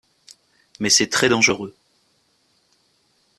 Mais c’est très dangereux.